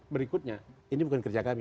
berikutnya ini bukan kerja kami